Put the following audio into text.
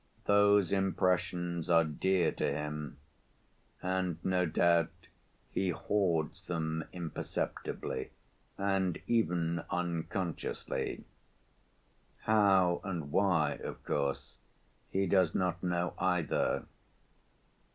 Those impressions are dear to him and no doubt he hoards them imperceptibly, and even unconsciously. How and why, of course, he does not know either.